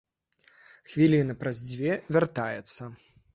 Хвіліны праз дзве вяртаецца.